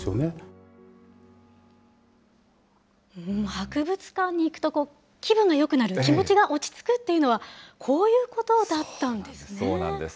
博物館に行くと気分がよくなる、気持ちが落ち着くっていうのは、そうなんです。